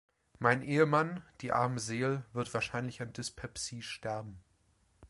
Mein Ehemann, die arme Seel, wird wahrscheinlich an Dyspepsie sterben.